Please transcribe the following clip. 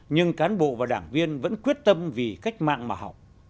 nhưng cán bộ và đảng viên vẫn quyết tâm vì cách mạng mà học